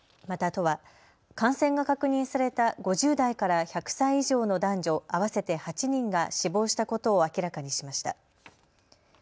また、都は感染が確認された５０代から１００歳以上の男女合わせて８人が死亡したことを明らかにしました。